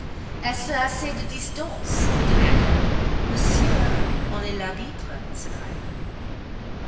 "Est ce assez de distance?" he demanded. "Monsieur en est l'arbitre," said I.